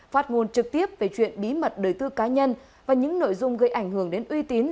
phát ngôn trực tiếp về chuyện bí mật đời tư cá nhân và những nội dung gây ảnh hưởng đến uy tín